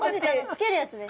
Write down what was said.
つけるやつです。